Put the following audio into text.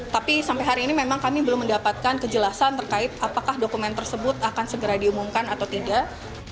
tapi sampai hari ini memang kami belum mendapatkan kejelasan terkait apakah dokumen tersebut akan segera diumumkan atau tidak